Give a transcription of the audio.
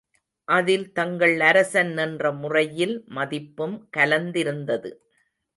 அதில் தங்கள் அரசன் என்ற முறையில் மதிப்பும் கலந்திருந்தது.